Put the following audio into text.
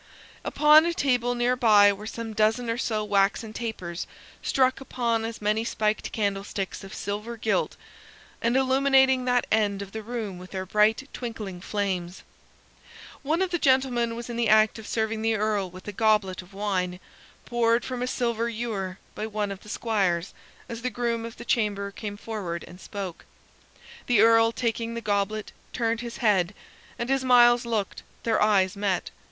Upon a table near by were some dozen or so waxen tapers struck upon as many spiked candlesticks of silver gilt, and illuminating that end of the room with their bright twinkling flames. One of the gentlemen was in the act of serving the Earl with a goblet of wine, poured from a silver ewer by one of the squires, as the groom of the chamber came forward and spoke. The Earl, taking the goblet, turned his head, and as Myles looked, their eyes met.